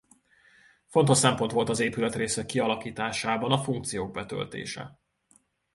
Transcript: Fontos szempont volt az épületrészek kialakításában a funkciók betöltése.